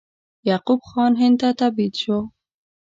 یعقوب خان هند ته تبعید شو.